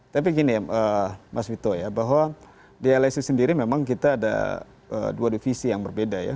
tapi gini ya mas vito ya bahwa di lsi sendiri memang kita ada dua divisi yang berbeda ya